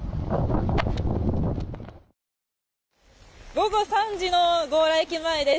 午後３時の強羅駅前です。